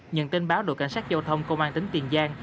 nhận tin báo đội cảnh sát giao thông công an tỉnh tiền giang